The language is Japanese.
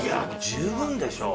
十分でしょ！